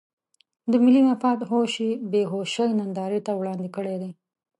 د ملي مفاد هوش یې بې هوشۍ نندارې ته وړاندې کړی دی.